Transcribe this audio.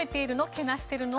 けなしてるの？」。